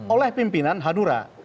oleh pimpinan hadura